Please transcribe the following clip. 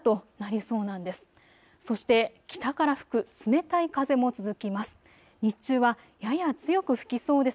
そして北から吹く冷たい風も続きます。